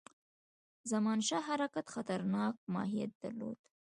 زمانشاه حرکت خطرناک ماهیت درلود.